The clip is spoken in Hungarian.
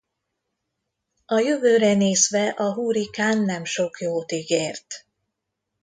A jövőre nézve a hurrikán nem sok jót ígért.